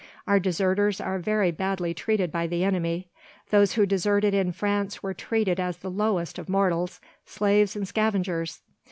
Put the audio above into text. Our deserters are very badly treated by the enemy; those who deserted in France were treated as the lowest of mortals, slaves and scavengers.